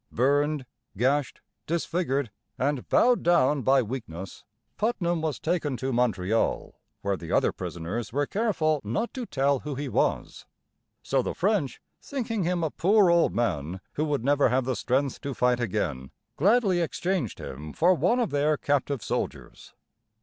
Burned, gashed, disfigured, and bowed down by weakness, Putnam was taken to Montreal, where the other prisoners were careful not to tell who he was. So the French, thinking him a poor old man who would never have the strength to fight again, gladly exchanged him for one of their captive soldiers.